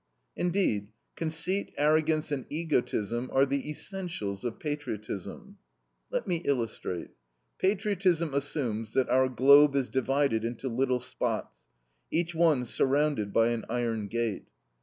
Indeed, conceit, arrogance, and egotism are the essentials of patriotism. Let me illustrate. Patriotism assumes that our globe is divided into little spots, each one surrounded by an iron gate.